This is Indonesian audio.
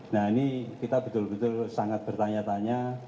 nah ini kita betul betul sangat bertanya tanya